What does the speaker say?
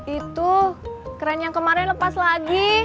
itu keren yang kemarin lepas lagi